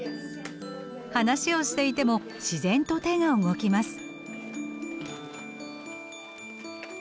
話をしていても自然と手が動きます。